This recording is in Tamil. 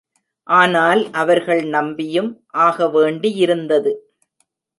ஆனால் அவர்கள் நம்பியும் ஆக வேண்டியிருந்தது.